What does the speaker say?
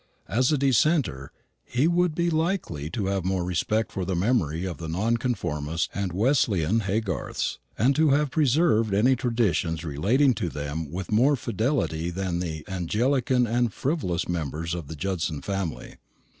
As a dissenter, he would be likely to have more respect for the memory of the Nonconformist and Wesleyan Haygarths, and to have preserved any traditions relating to them with more fidelity than the Anglican and frivolous members of the Judson family.